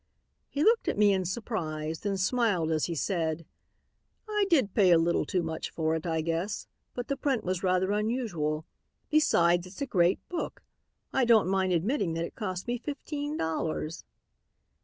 "He looked at me in surprise, then smiled as he said, 'I did pay a little too much for it, I guess, but the print was rather unusual; besides, it's a great book. I don't mind admitting that it cost me fifteen dollars.'